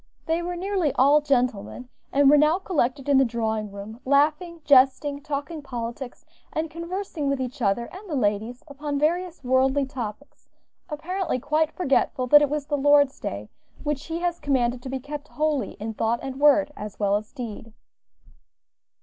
They were nearly all gentlemen, and were now collected in the drawing room, laughing, jesting, talking politics, and conversing with each other and the ladies upon various worldly topics, apparently quite forgetful that it was the Lord's day, which He has commanded to be kept holy in thought and word, as well as deed.